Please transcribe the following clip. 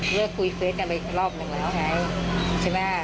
เลือกคุยเฟสกันไปอีกรอบหนึ่งแล้วไงใช่ไหม